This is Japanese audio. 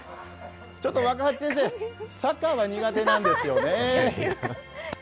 ちょっと、わかはち先生、サッカーは苦手なんですよね。